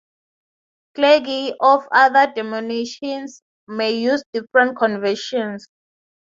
Clergy of other denominations may use different conventions.